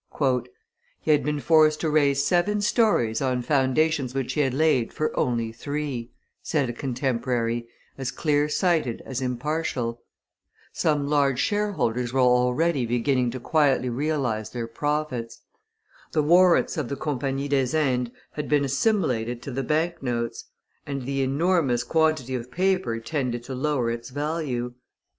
"He had been forced to raise seven stories on foundations which he had laid for only three," said a contemporary, as clear sighted as impartial. Some large shareholders were already beginning to quietly realize their profits. The warrants of the Compagnie des Indes had been assimilated to the bank notes; and the enormous quantity of paper tended to lower its value.